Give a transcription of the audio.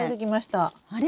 あれ？